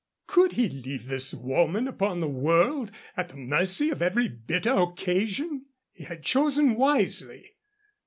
Could he leave this woman upon the world, at the mercy of every bitter occasion? He had chosen wisely.